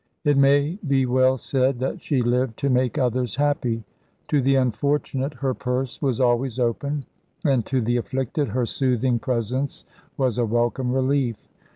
It may be well said that she lived to make others happy. To the unfortunate her purse was always open, and to the afflicted her soothing presence was a welcome relief.